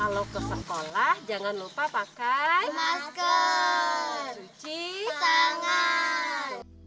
kalau ke sekolah jangan lupa pakai masker cuci tangan